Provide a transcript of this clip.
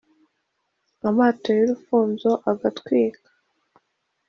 Amato y urufunzo agatwikwa